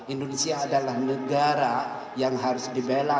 indonesia adalah negara yang harus dibela